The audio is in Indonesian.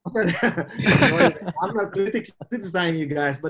saya tidak kritik saya cinta untuk kalian